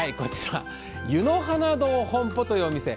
湯之花堂本舗というお店。